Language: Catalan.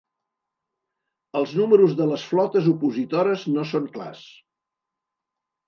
Els números de les flotes opositores no són clars.